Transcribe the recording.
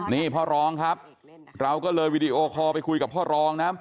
นี่พ่อรองครับเราก็เลยวีดีโอคอลไปคุยกับพ่อรองนะ